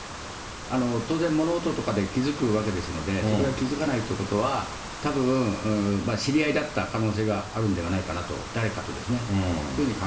当然、物音とかで気付くわけですので、それを気付かないということは、たぶん知り合いだった可能性があるんではないかなと、誰かとですね、